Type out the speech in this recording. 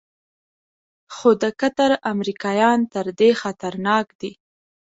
خو د قطر امریکایان تر دې خطرناک دي.